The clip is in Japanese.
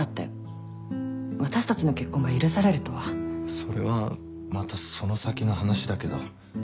それはまたその先の話だけど。